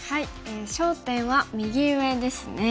焦点は右上ですね。